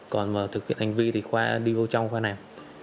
còn mà thực hiện hành vi thì khoa đi vô trong khoa nào